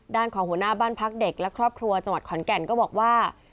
ด้านของหัวหน้าบ้านพักเด็กและครอบครัวจังหวัดขอนแก่นก็บอกว่า